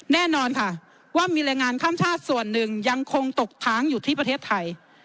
แน่นอนค่ะว่ามีแรงงานข้ามชาติส่วนหนึ่งยังคงตกค้างอยู่ที่ประเทศไทย